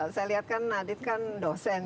saya lihatkan adit kan dosen